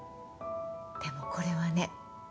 でもこれはね